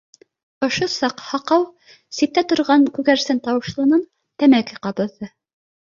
Ошо саҡ һаҡау ситтә торған күгәрсен тауышлынан тәмәке ҡабыҙҙы